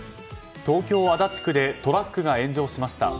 東京・足立区でトラックが炎上しました。